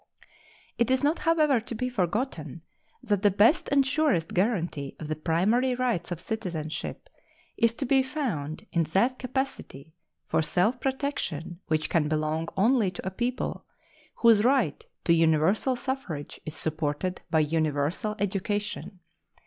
It is not, however, to be forgotten that the best and surest guaranty of the primary rights of citizenship is to be found in that capacity for self protection which can belong only to a people whose right to universal suffrage is supported by universal education.